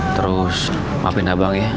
terus maafin abang ya